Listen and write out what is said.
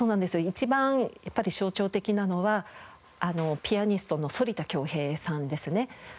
一番やっぱり象徴的なのはピアニストの反田恭平さんですね。